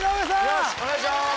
よしお願いします